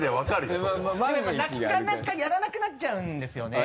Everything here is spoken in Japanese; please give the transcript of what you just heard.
でもやっぱなかなかやらなくなっちゃうんですよね。